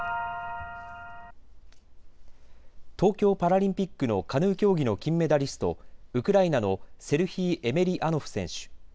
東京パラリンピックのカヌー競技の金メダリスト、ウクライナのセルヒー・エメリアノフ選手。